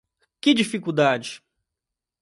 Que dificuldade?